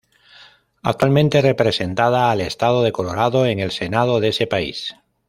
Actualmente representada al estado de Colorado en el Senado de ese país.